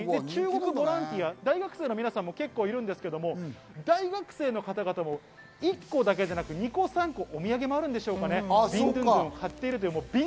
中国ボランティア、大学生の皆さんもいるんですけれど、大学生の方々も１個だけじゃなく２３個お土産もあるんでしょうか、買っています。